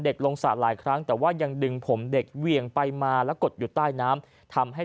ลงสระหลายครั้งแต่ว่ายังดึงผมเด็กเหวี่ยงไปมาแล้วกดอยู่ใต้น้ำทำให้